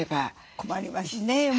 困りますね。